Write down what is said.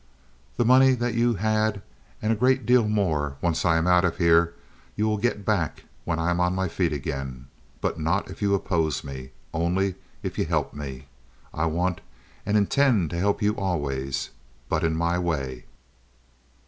The money that you had and a great deal more, once I am out of here, you will get back when I am on my feet again. But not if you oppose me—only if you help me. I want, and intend to help you always—but in my way."